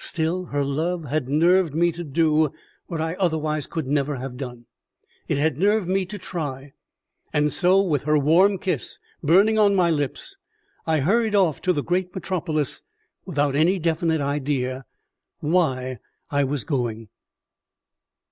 Still her love had nerved me to do what I otherwise could never have done. It had nerved me to try; and so, with her warm kiss burning on my lips, I hurried off to the great metropolis without any definite idea why I was going.